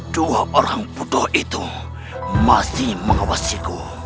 dua orang pudoh itu masih mengawasiku